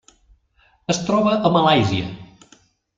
Es troba a Malàisia.